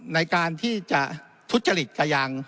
ในการที่จะทุจริตกระยาง